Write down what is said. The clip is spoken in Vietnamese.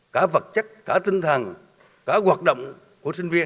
cả vật chất cả tinh thần cả hoạt động của sinh viên